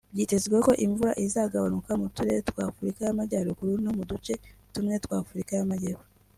Byitezwe ko imvura izagabanuka mu Turere twa Afurika y’amajyaruguru no mu duce tumwe twa Afurika y’amajyepfo